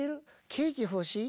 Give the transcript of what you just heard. ケーキ欲しい？